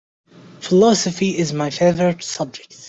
Philosophy is my favorite subject.